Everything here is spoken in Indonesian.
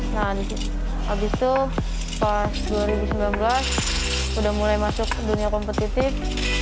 nah abis itu pas dua ribu sembilan belas udah mulai masuk dunia kompetitif